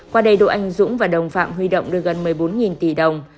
qua đây đỗ anh dũng và đồng phạm huy động được gần một mươi bốn tỷ đồng